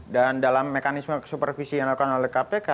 dan dalam mekanisme supervisi yang dilakukan oleh kpk